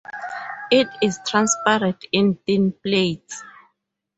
It is transparent in thin plates.